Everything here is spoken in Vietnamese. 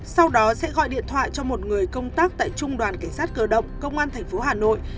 sau đó sẽ gọi điện thoại cho một người công tác tại trung đoàn cảnh sát cơ động công an tp hà nội